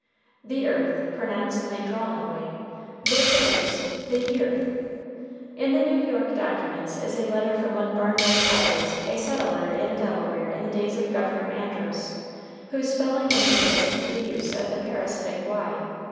"The earth" pronounced in a drawling way will produce the yearth. In the New York Documents is a letter from one Barnard Hodges, a settler in Delaware in the days of Governor Andros, whose spelling indicates a free use of the parasitic y.